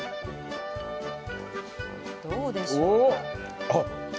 どうでしょうか？